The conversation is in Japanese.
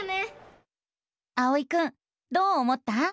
あおいくんどう思った？